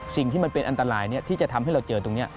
สิ่งที่มันเป็นอันตรายที่จะทำให้เราเจอตรงนี้